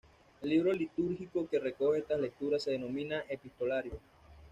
El libro litúrgico que recoge estas lecturas se denomina "epistolario".